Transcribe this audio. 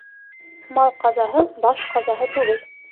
Мал ҡазаһы баш ҡазаһы түгел